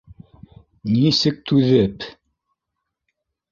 Нисек түҙеп...